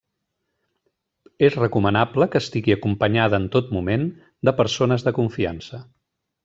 És recomanable que estigui acompanyada en tot moment de persones de confiança.